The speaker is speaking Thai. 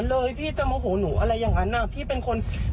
แล้วพี่จะโมโหผู้ใจสารขนาดนั้นได้ยังไง